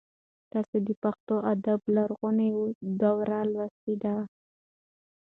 تاسو د پښتو ادب لرغونې دوره لوستلې ده؟